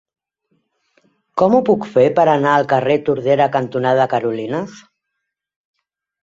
Com ho puc fer per anar al carrer Tordera cantonada Carolines?